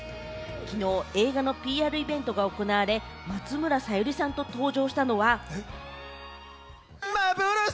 きのう、映画のＰＲイベントが行われ、松村沙友理さんと登場したのは。